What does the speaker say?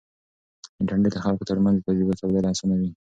انټرنیټ د خلکو ترمنځ د تجربو تبادله اسانوي.